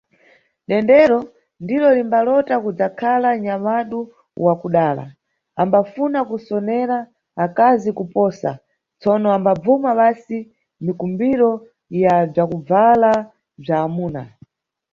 Dendero, ndiro limbalota kudzakhala nyamadu wa kudala, ambafuna kusonera akazi kuposa, tsono ambabvuma basi mikumbiro ya bzwakubvala bzwa amuna.